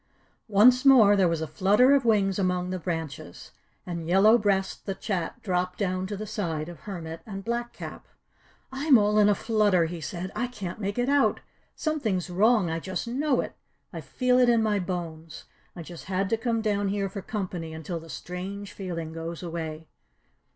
Once more there was a flutter of wings among the branches, and Yellow Breast the Chat dropped down to the side of Hermit and Black Cap. "I'm all in a flutter," he said. "I can't make it out. Something's wrong. I just know it. I feel it in my bones. I just had to come down here for company until the strange feeling goes away."